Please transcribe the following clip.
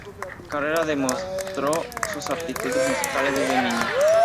Carreras demostró sus aptitudes musicales desde niño.